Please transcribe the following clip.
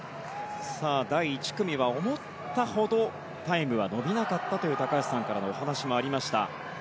第１組は思ったほどタイムは伸びなかったという高橋さんからのお話もありました。